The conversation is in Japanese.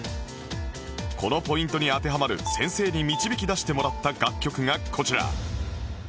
このポイントに当てはまる先生に導き出してもらった楽曲がこちら